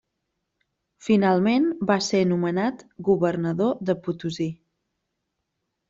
Finalment va ser nomenat governador de Potosí.